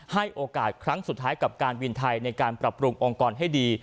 ให้โอกาสครั้งสุดท้ายกับการบินไทยในการปรับปรุงองค์กรให้ดี